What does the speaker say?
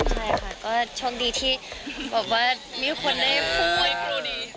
ใช่ค่ะก็โชคดีที่บอกว่ามีคนได้พูด